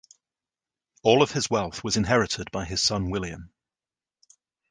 All of his wealth was inherited by his son William.